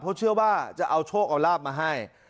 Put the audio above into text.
เพราะเชื่อว่าจะเอาโชคเอาลาบมาให้